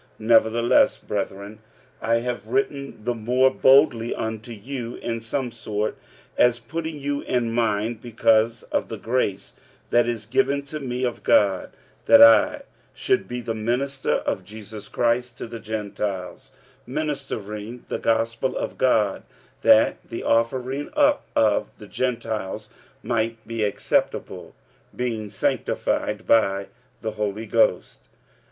45:015:015 Nevertheless, brethren, I have written the more boldly unto you in some sort, as putting you in mind, because of the grace that is given to me of God, 45:015:016 That I should be the minister of Jesus Christ to the Gentiles, ministering the gospel of God, that the offering up of the Gentiles might be acceptable, being sanctified by the Holy Ghost.